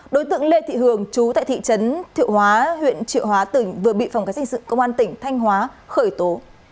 đối tượng lê thị hường trú tại thị trấn thiệu hóa huyện triệu hóa tỉnh vừa bị phòng khai sinh sự công an tỉnh thanh hóa khởi tố